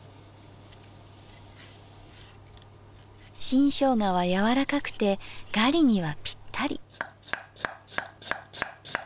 新生姜は柔らかくてガリにはぴったり。